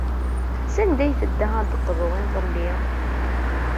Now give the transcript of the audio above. Sanda ay tedda ad d-teqḍu iḍelli?